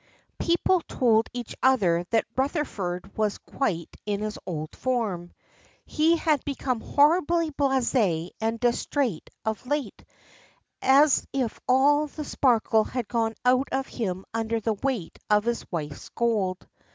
People told each other that Rutherford was quite in his old form. He had become horribly blasé and distrait of late, as if all the sparkle had gone out of him under the weight of his wife's gold.